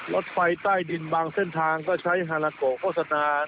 รถไฟใต้ดินบางเส้นทางก็ใช้ฮาลาโกโฆษณา